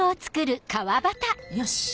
よし！